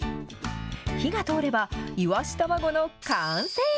火が通れば、イワシ卵の完成。